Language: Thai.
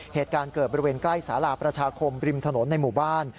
เหตุการณ์เกิดบริเวณใกล้สาราประชาคมริมถนนในหมู่บ้าน